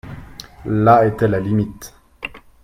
La etait la limite.